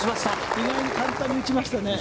意外に簡単に打ちましたね。